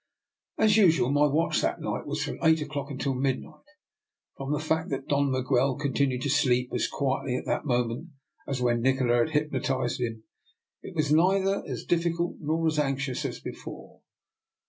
As usual, my watch that night was from eight o'clock until midnight. From the fact that Don Miguel continued to sleep as quiet ly as at the moment when Nikola had hypno tized him, it was neither as difficult nor as anxious as before.